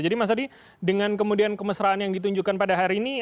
jadi mas hadi dengan kemudian kemesraan yang ditunjukkan pada hari ini